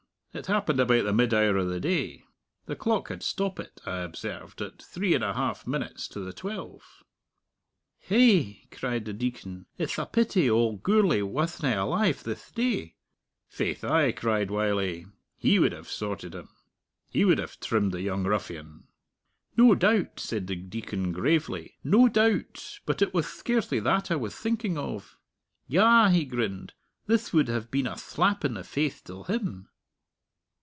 It happened about the mid hour o' the day. The clock had stoppit, I observed, at three and a half minutes to the twelve." "Hi!" cried the Deacon, "it'th a pity auld Gourlay wathna alive thith day!" "Faith, ay," cried Wylie. "He would have sorted him; he would have trimmed the young ruffian!" "No doubt," said the Deacon gravely "no doubt. But it wath scarcely that I wath thinking of. Yah!" he grinned, "thith would have been a thlap in the face till him!"